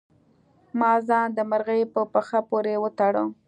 ما ځان د مرغۍ په پښه پورې وتړه.